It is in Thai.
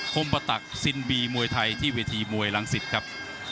คมปะตักซินบีมวยไทยที่เวทีมวยรังสิตครับ